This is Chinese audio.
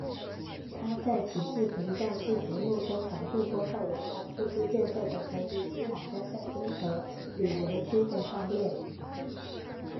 他在其视频造势节目中反复播放由他出资建设的成吉思汗雕像综合旅游区的画面。